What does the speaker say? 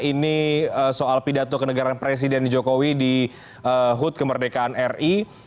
ini soal pidato kenegaraan presiden jokowi di hut kemerdekaan ri